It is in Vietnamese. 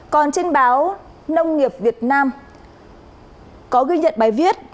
còn trên báo nông nghiệp việt nam có ghi nhận bài viết